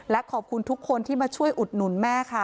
และขอบคุณทุกคนที่มาช่วยอุดหนุนแม่ค่ะ